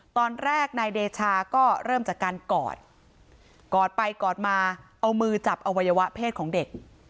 ตอนแรกนายเดชาก็เริ่มจากการกอดกอดไปกอดมาเอามือจับอวัยวะเพศของเด็ก